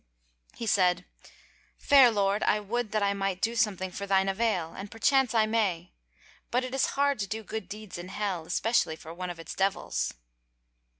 He said: "Fair lord, I would that I might do something for thine avail, and perchance I may: but it is hard to do good deeds in Hell, especially for one of its devils."